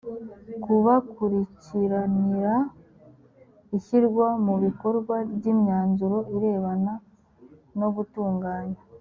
kubakurikiranira ishyirwa mu bikorwa ry imyanzuro irebana no gutunganya